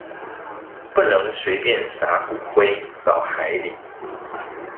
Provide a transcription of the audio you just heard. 不能隨便灑骨灰到海裡